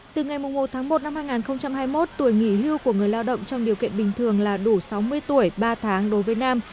từ ngày một tháng một năm hai nghìn hai mươi một tuổi nghỉ hưu của người lao động trong điều kiện bình thường là đủ sáu mươi tuổi ba tháng đối với nam